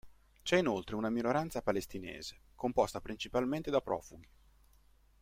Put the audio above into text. C'è inoltre una minoranza palestinese, composta principalmente da profughi.